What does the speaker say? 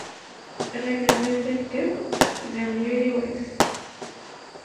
Ɣilen mazal d iḍ, ziɣ yuli wass.